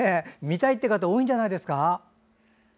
見たいという方多いんじゃないですか。